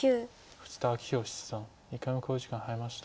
富士田明彦七段１回目の考慮時間に入りました。